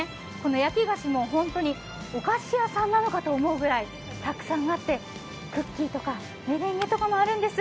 焼き菓子もお菓子屋さんなのかと思うくらいたくさんあってクッキーとかメレンゲとかもあるんです。